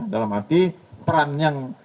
dalam arti peran yang